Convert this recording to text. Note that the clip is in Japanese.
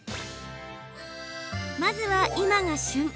まずは、今が旬！